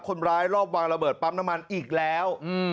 คนร้ายรอบวางระเบิดปั๊มน้ำมันอีกแล้ว